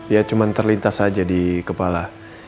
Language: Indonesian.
ya cuma terlintas saja di kepala